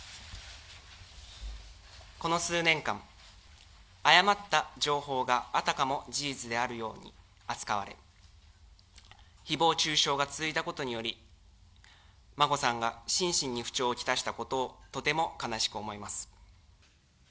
この数年間、誤った情報があたかも事実であるように扱われ、ひぼう中傷が続いたことにより、眞子さんが心身に不調を来したことをとても悲しく思います。